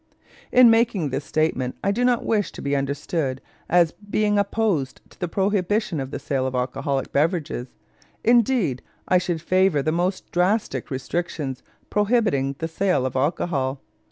In making this statement I do not wish to be understood as being opposed to the prohibition of the sale of alcoholic beverages; indeed, I should favor the most drastic restrictions prohibiting the sale of alcohol.